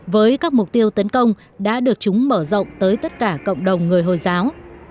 với các mục tiêu tấn công đã được chúng mở rộng tới tất cả cộng đồng người hồi giáo